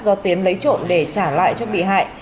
do tiến lấy trộm để trả lại cho bị hại